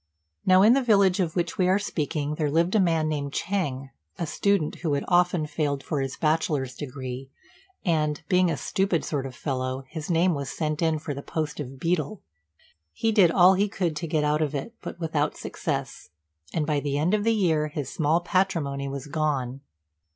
Now in the village of which we are speaking there lived a man named Ch'êng, a student who had often failed for his bachelor's degree; and, being a stupid sort of fellow, his name was sent in for the post of beadle. He did all he could to get out of it, but without success; and by the end of the year his small patrimony was gone.